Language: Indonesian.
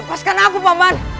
lepaskan aku paman